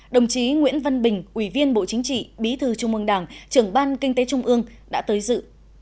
đồng chí nguyễn văn bình ủy viên bộ chính trị bí thư trung mương đảng trưởng ban kinh tế trung ương đã tới dự